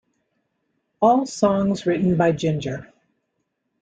All songs written by ginger.